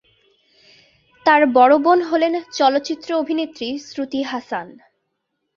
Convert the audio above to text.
তার বড়ো বোন হলেন চলচ্চিত্র অভিনেত্রী শ্রুতি হাসান।